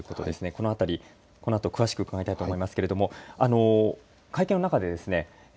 この辺りこのあと詳しく伺いたいと思いますけれども会見の中でですね